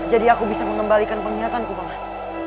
jadi aku bisa mengembalikan penglihatanku banget